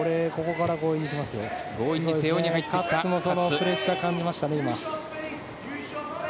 カッツもプレッシャーを感じましたね。